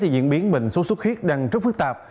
diễn biến bệnh số xuất khuyết đang rất phức tạp